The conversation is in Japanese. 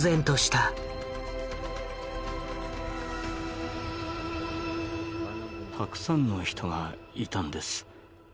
たくさんの人がいたんです。